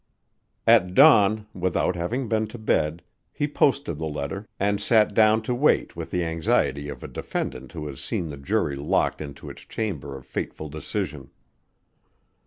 At dawn, without having been to bed, he posted the letter and sat down to wait with the anxiety of a defendant who has seen the jury locked into its chamber of fateful decision.